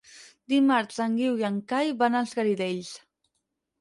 Dimarts en Guiu i en Cai van als Garidells.